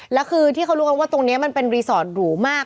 แล้วคือที่เขารู้กันว่าตรงนี้มันเป็นรีสอร์ทหรูมาก